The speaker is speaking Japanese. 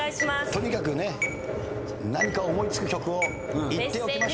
とにかくね何か思い付く曲を言っておきましょう。